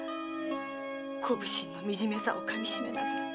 小普請の惨めさをかみしめながら。